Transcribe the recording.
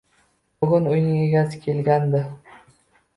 -Bugun uyning egasi kelgandi